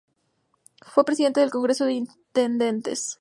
Fue Presidente del Congreso de Intendentes.